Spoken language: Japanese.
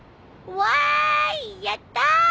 わーいやったー！